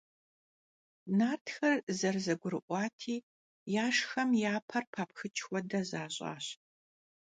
Nartxer zerızegurı'uati, yaşşxem ya per papxıç' xuede zaş'aş.